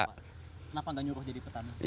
kenapa gak nyuruh jadi petani